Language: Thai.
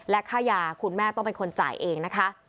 ค่ายาคุณแม่ต้องเป็นคนจ่ายเองนะคะ